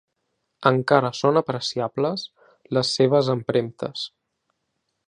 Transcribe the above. Encara són apreciables les seves empremtes.